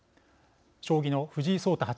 将棋の藤井聡太八